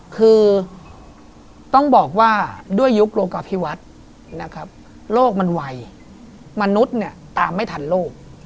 คือต้องบอกว่าด้วยยุคโรคอภิวัตรโลกมันไวมนุษย์ตามไม่ทันโลก